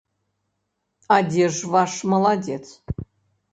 А дзе ж ваш маладзец?